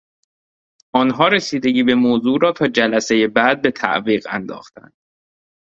آنها رسیدگی به موضوع را تا جلسهی بعد به تعویق انداختند.